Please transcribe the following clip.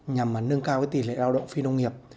nhằm nâng cao tỷ lệ lao động phi nông nghiệp